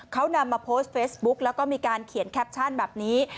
เขานำมาโพสต์เฟซบุ๊กแล้วก็มีการเขียนแคปชั่นแบบนี้